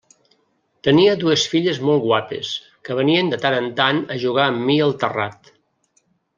Tenia dues filles molt guapes que venien de tant en tant a jugar amb mi al terrat.